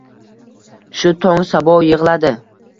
Shu tong sabo yig’ladi